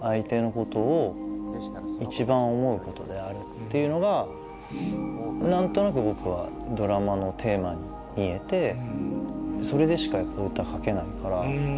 っていうのが何となく僕はドラマのテーマに見えてそれでしか歌書けないから。